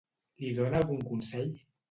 Li dóna algun consell?